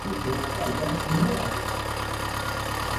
Una calle de Jerez lleva su nombre.